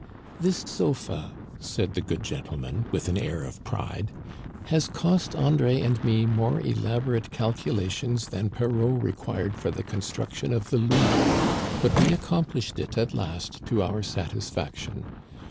" This sofa," said the good gentleman," with an air of pride, " has cost André and me more elaborate calcu lations than Perrault required for the construction of the Louvre ; but we accomplished it at last to our satisfac tion.